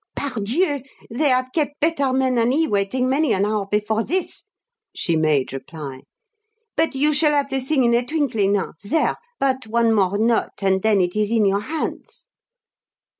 "Pardieu! they have kept better men than he waiting many an hour before this," she made reply. "But you shall have the thing in a twinkling now. There! but one more knot, and then it is in your hands."